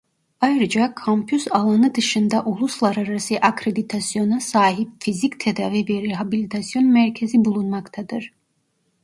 Ayrıca kampüs alanı dışında uluslararası akreditasyona sahip Fizik Tedavi ve Rehabilitasyon Merkezi bulunmaktadır.